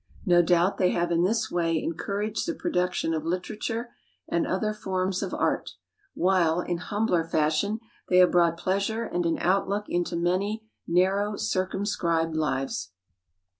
No doubt they have in this way encouraged the production of literature and other forms of art; while, in humbler fashion, they have brought pleasure and an outlook into many narrow circumscribed lives.